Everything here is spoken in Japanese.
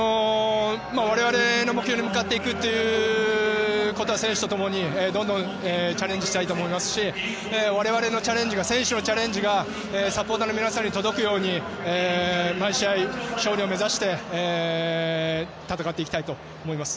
我々の目標に向かっていくということは選手と共にどんどんチャレンジしたいと思いますし我々のチャレンジが選手のチャレンジがサポーターの皆さんに届くように毎試合、勝利を目指して戦っていきたいと思います。